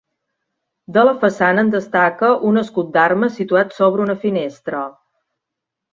De la façana en destaca un escut d'armes situat sobre una finestra.